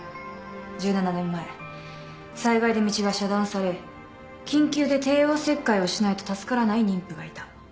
１７年前災害で道が遮断され緊急で帝王切開をしないと助からない妊婦がいた。